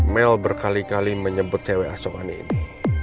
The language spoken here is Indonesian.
mel berkali kali menyebut cewek asokan ini